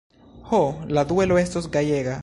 Ho, la duelo estos gajega!